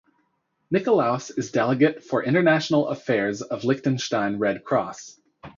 Nikoluas is Delegate for International Affairs of Liechtenstein Red Cross.